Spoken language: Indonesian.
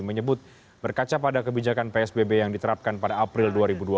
menyebut berkaca pada kebijakan psbb yang diterapkan pada april dua ribu dua puluh